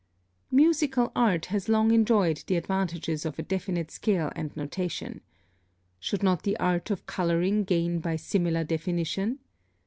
(38) Musical art has long enjoyed the advantages of a definite scale and notation. Should not the art of coloring gain by similar definition?